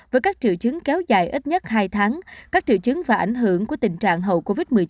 với các triệu chứng kéo dài ít nhất hai tháng các triệu chứng và ảnh hưởng của tình trạng hậu covid một mươi chín